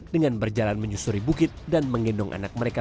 dengan berjalan menyusuri bukit dan menggendong anak mereka